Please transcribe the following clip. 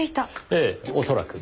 ええ恐らく。